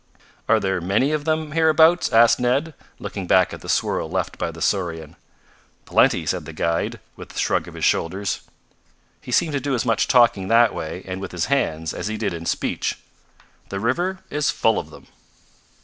"Are there many of them hereabouts?" asked Ned, looking back at the swirl left by the saurian. "Plenty," said the guide, with a shrug of his shoulders. He seemed to do as much talking that way, and with his hands, as he did in speech. "The river is full of them."